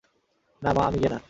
না মা, আমি গে না।